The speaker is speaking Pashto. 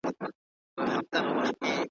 او سيده او لنډه طريقه درلوده